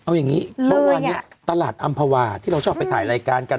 เมื่อวันนี้ตลาดอัมพวาที่เราชอบไปถ่ายรายการกัน